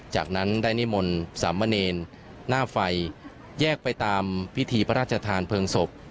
จากนั้นได้นิมนต์สามเณรหน้าไฟแยกไปตามพิธีพระราชทานเพลิงศพ